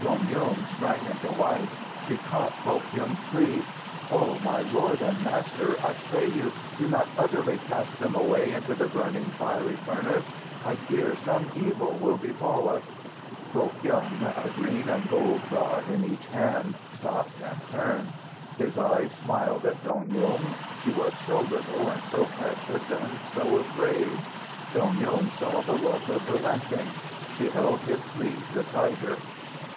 Dong Yung sprang into life. She caught Foh Kyung's sleeve. "O my Lord and Master, I pray you, do not utterly cast them away into the burning, fiery furnace! I fear some evil will befall us." Foh Kyung, a green and gold god in each hand, stopped and turned. His eyes smiled at Dong Yung. She was so little and so precious and so afraid! Dong Yung saw the look of relenting. She held his sleeve the tighter.